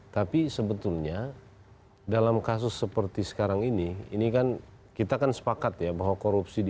tapi sebetulnya dalam kasus seperti sekarang ini ini kan kita kan sepakat ya bahwa korupsi di